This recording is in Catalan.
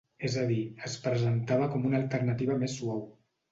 És a dir, es presentava com una alternativa més suau.